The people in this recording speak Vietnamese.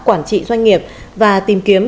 quản trị doanh nghiệp và tìm kiếm